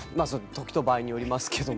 時と場合によりますけども。